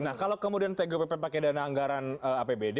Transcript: nah kalau kemudian tgupp pakai dana anggaran apbd